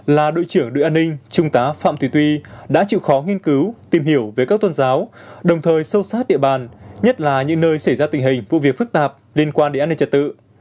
là đội trưởng đội an ninh trung tá phạm thùy tuy đã chịu khó nghiên cứu tìm hiểu về các tôn giáo đồng thời sâu sát địa bàn nhất là những nơi xảy ra tình hình vụ việc phức tạp liên quan đến an ninh trật tự